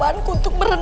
tapi musuh aku bobby